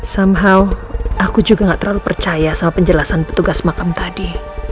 somehow aku juga gak terlalu percaya sama penjelasan petugas makam tadi